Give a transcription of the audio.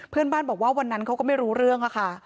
เพื่อนบ้านบอกว่าวันนั้นเขาก็ไม่รู้เรื่องค่ะ